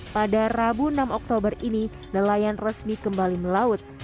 pada rabu enam oktober ini nelayan resmi kembali melaut